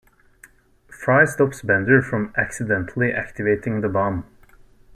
Fry stops Bender from accidentally activating the bomb.